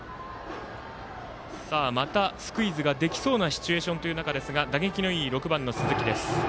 また、スクイズができそうなシチュエーションという中ですが打撃のいい６番の鈴木。